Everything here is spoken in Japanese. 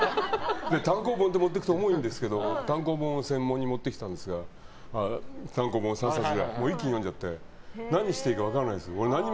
単行本を持っていくと重いんですけど単行本を持っていったんですが単行本３冊ぐらい一気に読んじゃって何していいか分からないです。